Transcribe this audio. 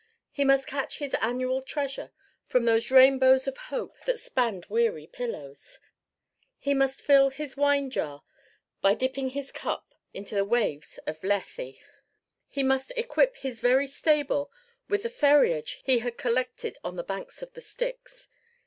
He must catch his annual treasure from those rainbows of hope that spanned weary pillows. He must fill his wine jar by dipping his cup into the waves of Lethe. He must equip his very stable with the ferriage he had collected on the banks of the Styx.